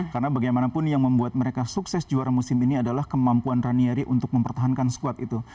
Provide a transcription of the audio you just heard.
karena bagaimanapun yang membuat mereka sukses juara musim ini adalah kemampuan ranieri untuk mempertahankan squad itu